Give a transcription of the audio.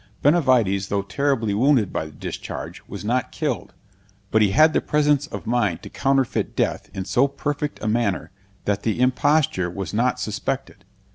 Benavides, though terribly wounded by the discharge, was not killed; but he had the presence of mind to counterfeit death in so perfect a manner, that the imposture was not suspected.